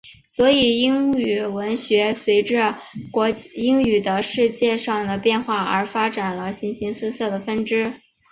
所以英语文学随着英语在世界上的变化而发展出了形形色色的分支。